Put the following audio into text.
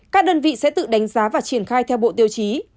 các đơn vị sẽ tự đánh giá và triển khai theo bộ tiêu chí